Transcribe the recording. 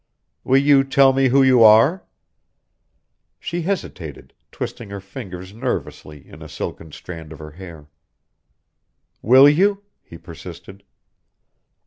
"Will you tell me who you are?" She hesitated, twisting her fingers nervously in a silken strand of her hair. "Will you?" he persisted.